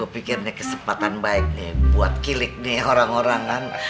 gue pikir ini kesempatan baik buat kilik nih orang orang kan